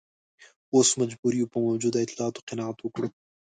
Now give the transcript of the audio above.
اوس مجبور یو په موجودو اطلاعاتو قناعت وکړو.